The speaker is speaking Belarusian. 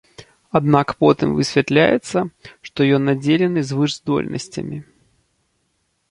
Аднак потым высвятляецца, што ён надзелены звышздольнасцямі.